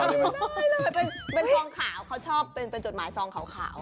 ไม่ได้เลยเป็นซองขาวเขาชอบเป็นจดหมายซองขาว